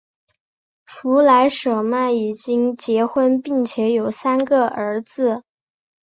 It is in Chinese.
弗莱舍曼已经结婚并且有三个儿子。